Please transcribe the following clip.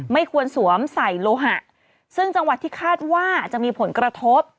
ไม่ควรสวมใส่โลหะซึ่งจังหวัดที่คาดว่าจะมีผลกระทบ